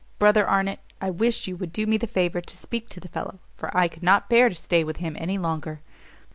Brother Arnott, I wish you would do me the favour to speak to the fellow, for I could not bear to stay with him any longer."